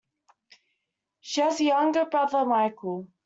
She has a younger brother Michael.